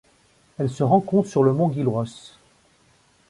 Elle se rencontre sur le mont Gilruth.